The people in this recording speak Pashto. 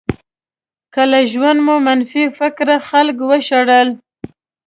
که له ژونده مو منفي فکره خلک وشړل.